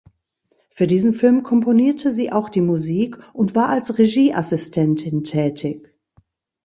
Für diesen Film komponierte sie auch die Musik und war als Regieassistentin tätig.